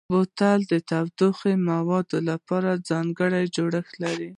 بوتل د تودوخهيي موادو لپاره ځانګړی جوړښت لري.